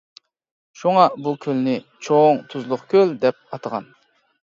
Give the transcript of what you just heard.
شۇڭا بۇ كۆلنى چوڭ تۇزلۇق كۆل دەپ ئاتىغان.